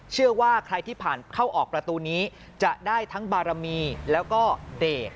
เชื่อว่าใครที่ผ่านเข้าออกประตูนี้จะได้ทั้งบารมีแล้วก็เดท